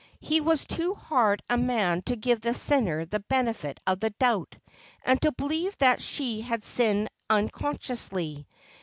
He was too hard a man to give the sinner the benefit of the doubt, and to believe that she had sinned unconsciously.